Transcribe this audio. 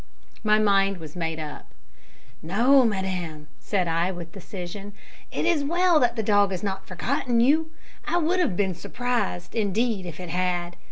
My mind was made up. "No, madam," said I, with decision; "it is well that the dog has not forgotten you. I would have been surprised, indeed, if it had.